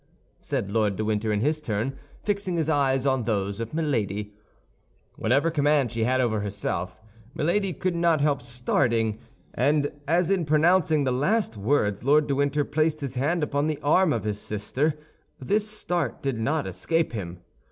said Lord de Winter in his turn, fixing his eyes on those of Milady. Whatever command she had over herself, Milady could not help starting; and as in pronouncing the last words Lord de Winter placed his hand upon the arm of his sister, this start did not escape him.